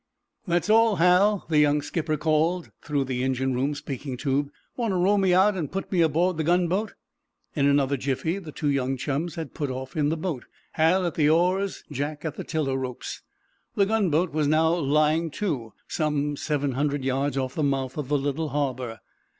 "That's all, Hal," the young skipper called, through the engine room speaking tube. "Want to row me out and put me aboard the gunboat?" In another jiffy the two young chums had put off in the boat, Hal at the oars, Jack at the tiller ropes. The gunboat was now lying to, some seven hundred yards off the mouth of the little harbor.